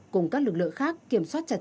cùng các lực lượng khác kiểm soát trật tự